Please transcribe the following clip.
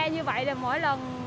như vậy là mỗi lần